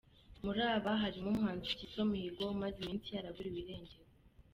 Muri aba harimo umuhanzi Kizito Mihigo umaze iminsi yaraburiwe irengero.